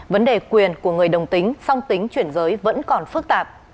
vấn đề quyền của người đồng tính song tính chuyển giới vẫn còn phức tạp